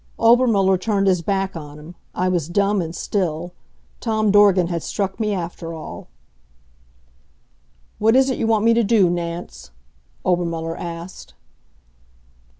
Obermuller turned his back on him. I was dumb and still. Tom Dorgan had struck me after all. "What is it you want me to do, Nance?" Obermuller asked.